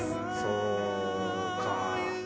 そうか。